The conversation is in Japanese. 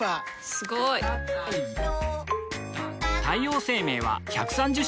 すごい！太陽生命は１３０周年